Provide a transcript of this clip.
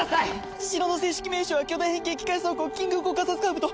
城の正式名称は巨大変形機械装甲キングコーカサスカブト。